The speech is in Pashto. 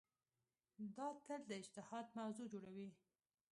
دا تل د اجتهاد موضوع جوړوي.